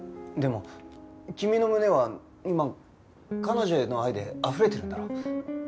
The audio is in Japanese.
でも君の胸は今彼女への愛であふれてるんだろ？